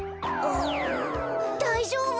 だいじょうぶ？